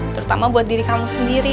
terutama buat diri kamu sendiri